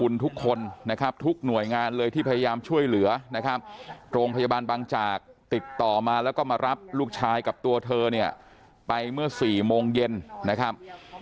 แล้วก็มารับลูกชายกับตัวเธอไปเมื่อ๔โมงเย็นนะครับ